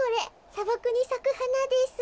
さばくにさくはなです。